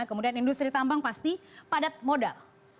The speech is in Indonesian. kemudian industri tambang pasti padat modal